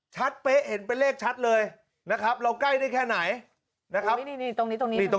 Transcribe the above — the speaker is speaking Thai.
เป๊ะเห็นเป็นเลขชัดเลยนะครับเราใกล้ได้แค่ไหนนะครับ